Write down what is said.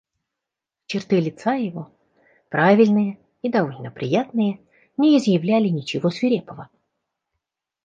Черты лица его, правильные и довольно приятные, не изъявляли ничего свирепого.